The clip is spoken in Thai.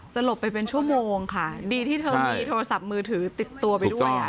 สลบไปเป็นชั่วโมงค่ะดีที่เธอมีโทรศัพท์มือถือติดตัวไปด้วยอ่ะ